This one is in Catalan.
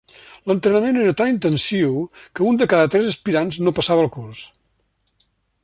L'entrenament era tan intensiu que un de cada tres aspirants no passava el curs.